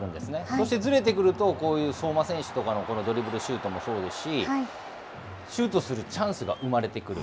そして、ずれてくると、こういう相馬選手とかのこのドリブルシュートもそうですし、シュートするチャンスが生まれてくる。